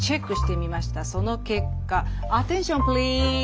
その結果アテンションプリーズ。